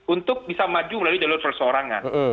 untuk bisa maju melalui jalur perseorangan